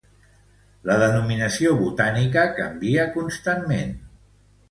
La denominació botànica canvia constantment.